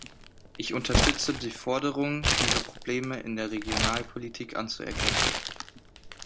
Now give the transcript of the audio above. Ich unterstütze die Forderung, diese Probleme in der Regionalpolitik anzuerkennen.